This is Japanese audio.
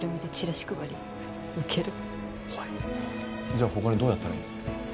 じゃあ他にどうやったらいい？